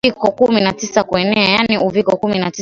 Yaani Uviko kumi na tisa kuenea